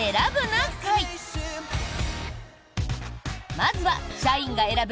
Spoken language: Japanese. まずは社員が選ぶ